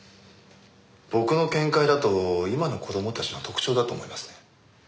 僕の見解だと今の子供たちの特徴だと思いますね。